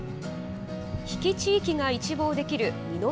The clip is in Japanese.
比企地域が一望できる二ノ